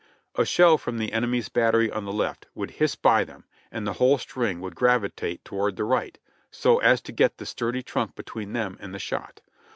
A shell from the enemy's battery on the left would hiss by them, and the whole string would gravitate toward the right, so as to get the sturdy trunk between them and the shot.